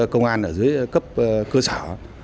công an ở dưới cấp cơ sở